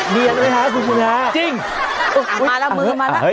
เนียนไหมฮะคุณคุณฮะจริงอ่ะมาแล้วมือมาแล้วอ่ะเฮ้ย